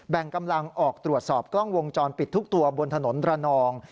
กำลังออกตรวจสอบกล้องวงจรปิดทุกตัวบนถนนระนอง